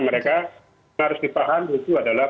mereka harus dipahami itu adalah